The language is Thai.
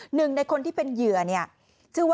หนึ่งคนนี้ที่ตกเป็นเหยื่อ